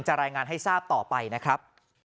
รายงานให้ทราบต่อไปนะครับ